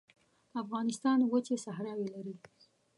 افغانستان وچې صحراوې لري